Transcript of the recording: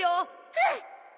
うん！